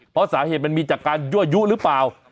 เพราะสาเหตุมันมีจากการยั่วยุหรือเปล่า